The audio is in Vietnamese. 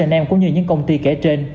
h m cũng như những công ty kể trên